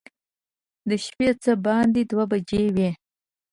د شپې څه باندې دوه بجې وې.